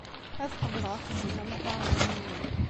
Ad qebleɣ axeddim-a ma tɛawneḍ-iyi.